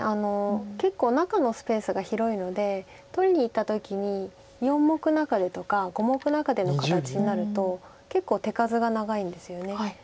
結構中のスペースが広いので取りにいった時に四目中手とか五目中手の形になると結構手数が長いんですよね。